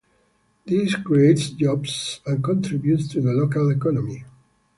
This creates jobs and contributes to the local economy.